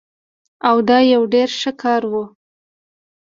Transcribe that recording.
او دا يو ډير ښه کار وو